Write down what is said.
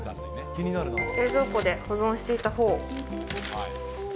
冷蔵庫で保存していたほうを。